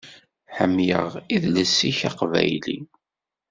Ḥemmel idles-ik aqbayli.